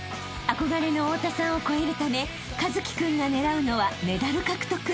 ［憧れの太田さんを超えるため一輝君が狙うのはメダル獲得］